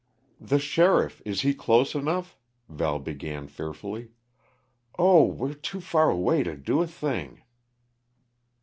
"The sheriff is he close enough " Val began fearfully. "Oh, we're too far away to do a thing!"